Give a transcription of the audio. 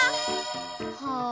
はあ。